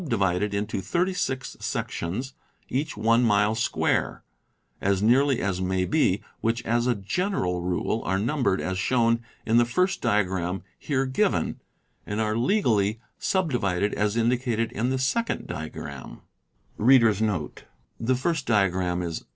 , divided into thirty six sections, each one mile square, as nearly as may be, which, as a general rule, are numbered as shown in the first diagram here given, and are legally subdivided as indicated in the second diagram.